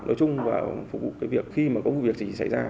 đối chung và phục vụ việc khi có việc gì xảy ra